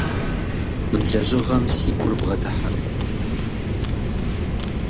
Мы лэжьыгъэм си гур бгъэдыхьэркъым.